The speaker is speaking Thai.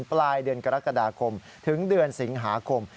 ปลายเดือนกรกฎาคมถึงเดือนสิงหาคม